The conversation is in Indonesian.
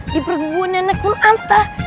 di perkebunan nekun antah